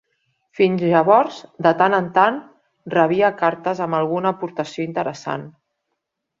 Fins llavors, de tant en tant rebia cartes amb alguna aportació interessant.